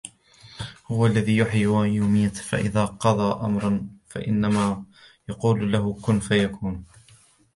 هو الذي يحيي ويميت فإذا قضى أمرا فإنما يقول له كن فيكون